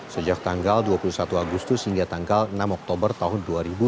sejak tanggal dua puluh satu agustus hingga tanggal enam oktober tahun dua ribu dua puluh